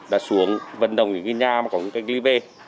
đã xuống vận động những người nhà mà có người cách ly về